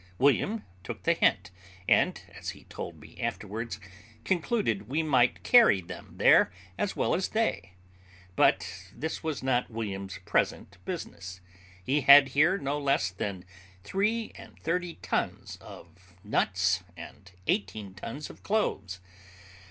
William took the hint, and, as he told me afterwards, concluded we might carry them there as well as they. But this was not William's present business; he had here no less than three and thirty ton of nuts and eighteen ton of cloves.